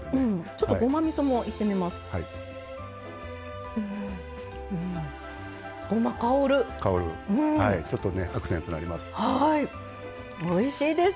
ちょっと、ごまみそもいってみます。